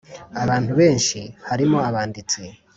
Abantu benshi, barimo abanditsi